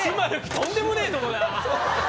とんでもねえとこだな！